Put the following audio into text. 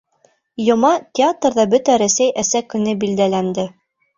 Йома театрҙа Бөтә Рәсәй Әсә көнө билдәләнде.